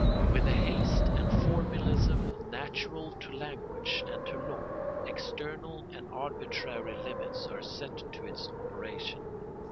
With the haste and formalism natural to language and to law, external and arbitrary limits are set to its operation.